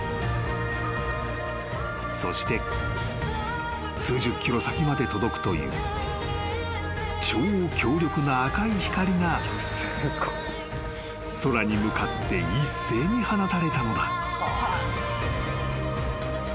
［そして数十ｋｍ先まで届くという超強力な赤い光が空に向かって一斉に放たれたのだ］